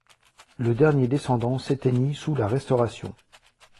Le dernier descendant s'éteignit sous la Restauration.